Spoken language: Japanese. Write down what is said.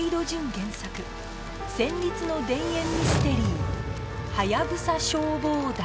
原作戦慄の田園ミステリー『ハヤブサ消防団』